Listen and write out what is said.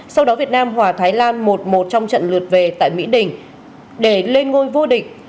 sau đó việt nam hòa thái lan một một trong trận lượt về tại mỹ đình để lên ngôi vô địch